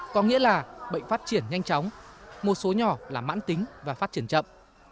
có nghĩa là bệnh phát triển nhanh chóng một số nhỏ là mãn tính và phát triển chậm